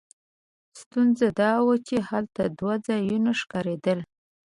ستونزه دا وه چې هلته دوه ځایونه ښکارېدل.